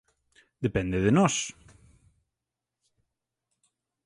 Depende de nós.